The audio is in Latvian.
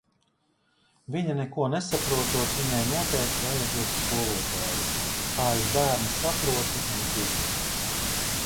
Viņa neko nesaprotot, viņai noteikti vajagot skolotāju! kā es bērnu saprotu un piekrītu tam!